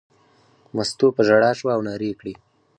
مستو په ژړا شوه او نارې یې کړې.